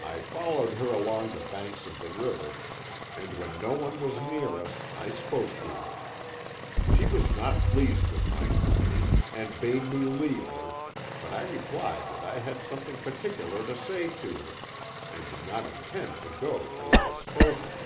"I followed her along the banks of the river, and when no one was near us I spoke to her. She was not pleased with my company, and bade me leave her, but I replied that I had something particular to say to her, and did not intend to go till it was spoken.